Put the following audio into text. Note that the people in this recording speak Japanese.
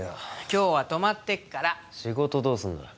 今日は泊まってくから仕事どうすんだよ